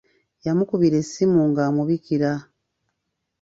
Yamukubira essimu ng'amubikira.